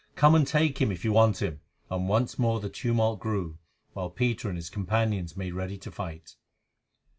"Come and take him if you want him," and once more the tumult grew, while Peter and his companions made ready to fight.